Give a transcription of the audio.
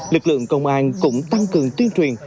lực lượng công an cũng tăng cường tuyên truyền